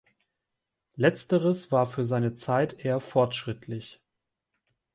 Letzteres war für seine Zeit eher fortschrittlich.